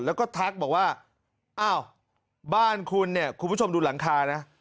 แล้วก็ทักบอกว่าอ้าวบ้านคุณเนี่ยคุณผู้ชมดูหลังคานะ